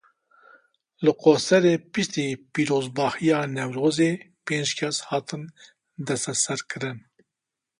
Li Qoserê piştî pîrozbahiya Newrozê pênc kes hatin desteserkirin.